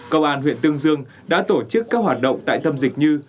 công an huyện tương dương đã tổ chức các hoạt động tại tâm dịch như